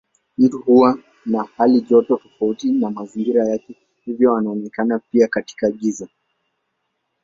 Mtu huwa na halijoto tofauti na mazingira yake hivyo anaonekana pia katika giza.